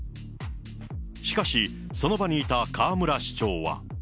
しかし、その場にいた河村市長は。